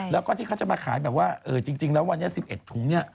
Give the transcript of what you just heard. แล้วก็ที่เขาจะมาขายแบบว่าจริงแล้ววันนี้๑๑ถุงเนี่ย